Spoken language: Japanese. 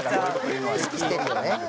みんな意識してるよね。